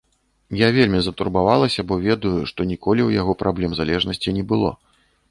Я вельмі затурбавалася, бо ведаю, што ніколі ў яго праблем залежнасці не было.